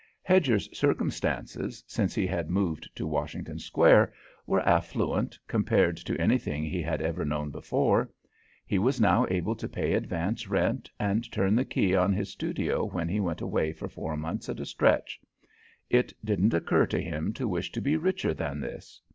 Hedger's circumstances, since he had moved to Washington Square, were affluent compared to anything he had ever known before. He was now able to pay advance rent and turn the key on his studio when he went away for four months at a stretch. It didn't occur to him to wish to be richer than this.